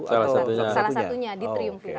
salah satunya di triumvirat ya